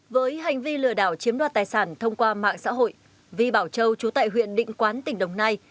với hành vi lừa đảo chiếm đoạt tài sản thông qua mạng xã hội vi bảo châu chú tại huyện định quán tỉnh đồng nai